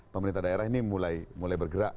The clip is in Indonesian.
pemerintah daerah ini mulai bergerak